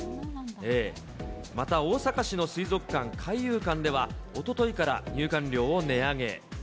また大阪市の水族館、海遊館では、おとといから入館料を値上げ。